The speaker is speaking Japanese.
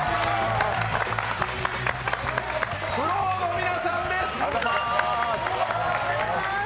ＦＬＯＷの皆さんです！